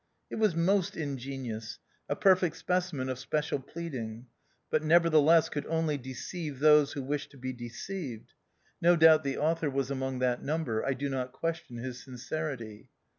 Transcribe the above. It was most ingenious — a perfect specimen of special pleading — but nevertheless could only deceive those who wished to be de ceived : no doubt the author was among that number; I do not question his sin cerity.